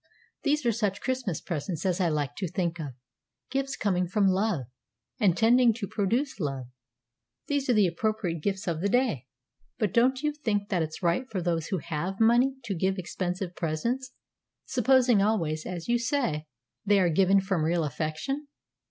These are such Christmas presents as I like to think of gifts coming from love, and tending to produce love; these are the appropriate gifts of the day." "But don't you think that it's right for those who have money to give expensive presents, supposing always, as you say, they are given from real affection?"